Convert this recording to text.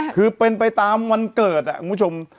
คือเป็นไปตามวันเกิดคุณผู้ชม